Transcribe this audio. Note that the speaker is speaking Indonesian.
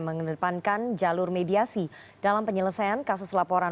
mengedepankan jalur mediasi dalam penyelesaian kasus laporan